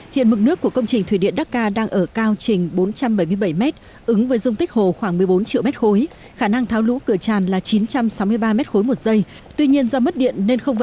hiện mực nước của công trình thủy điện đắc ca đang ở cao trình bốn trăm bảy mươi bảy mét ứng với dung tích hồ khoảng một mươi bốn triệu mét khối